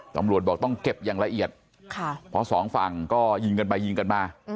ตำรวจบอกต้องเก็บอย่างละเอียดเพราะสองฝั่งก็ยิงกันไปยิงกันมา